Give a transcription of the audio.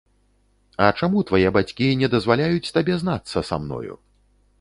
А чаму твае бацькі не дазваляюць табе знацца са мною?